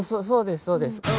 そうですそうです。